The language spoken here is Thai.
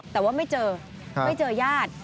แต่ว่าไม่เจอไม่เจอญาติ